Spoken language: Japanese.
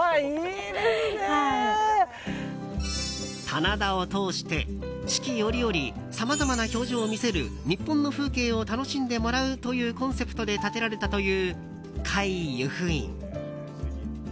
棚田を通して四季折々さまざまな表情を見せる日本の風景を楽しんでもらおうというコンセプトで建てられたという、界由布院。